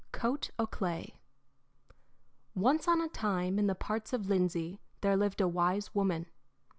Coat o' Clay Once on a time, in the parts of Lindsey, there lived a wise woman.